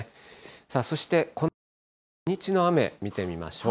さあ、そしてこのあとの土日の雨、見てみましょう。